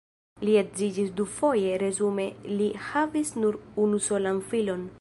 Li edziĝis dufoje, resume li havis nur unusolan filon.